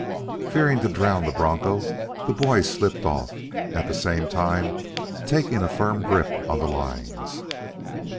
Fearing to drown the broncho, the boy slipped off, at the same time taking a firm grip on the lines.